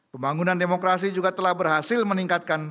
pembangunan demokrasi juga telah berhasil meningkatkan